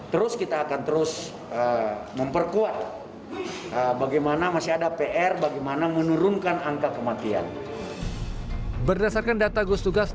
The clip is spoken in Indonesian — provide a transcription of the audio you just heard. terus kita akan terus memperkuat bagaimana masih ada pr bagaimana menurunkan angka kematian